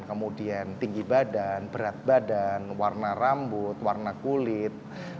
kemudian tinggi badan berat badan warna rambut warna kulit